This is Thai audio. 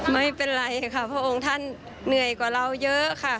ไม่เป็นไรค่ะพระองค์ท่านเหนื่อยกว่าเราเยอะค่ะ